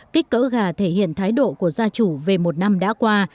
kích cỡ gà thể hiện thái độ của gia chủ về một năm đã qua